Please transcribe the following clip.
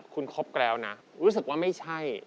คุณครบแล้วนะรู้สึกว่าไม่ใช่